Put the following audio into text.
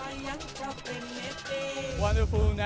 wisatawan yang terkenal